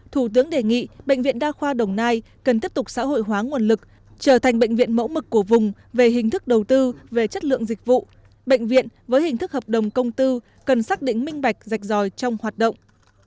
thủ tướng đề nghị bệnh viện đa khoa đồng nai cần tiếp tục xã hội hóa nguồn lực trở thành bệnh viện mẫu mực của vùng về hình thức đầu tư về chất lượng dịch vụ bệnh viện với hình thức hợp đồng công tư cần xác định minh bạch rạch ròi trong hoạt động